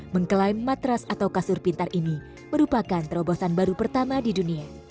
mengklaim matras atau kasur pintar ini merupakan terobosan baru pertama di dunia